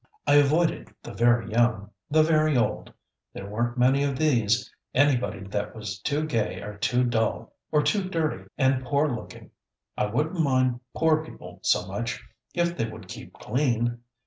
I avoided the very young, the very old there weren't many of these, anybody that was too gay or too dull, or too dirty and poor looking. I wouldn't mind poor people so much, if they would keep clean.